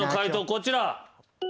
こちら。